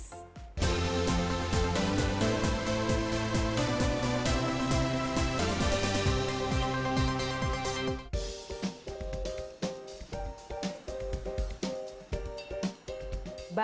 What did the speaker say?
bahan bahan yang kita masak